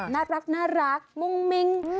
แนวแบบน่ารักมุ่งมิง